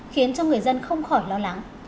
khiến cho người dân không khỏi lo lắng